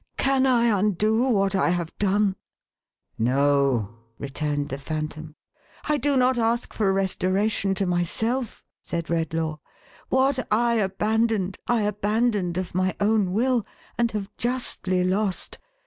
" Can I undo what I have done ?"" No," returned the Phantom. I do not ask for restoration to myself," said Redlaw. " What I abandoned, I abandoned of my own will, and have justly lost.